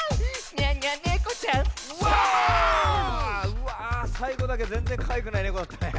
うわさいごだけぜんぜんかわいくないネコだったね。